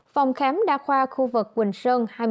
phòng khám đa khoa khu vực quỳnh sơn